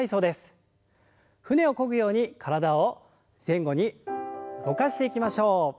舟をこぐように体を前後に動かしていきましょう。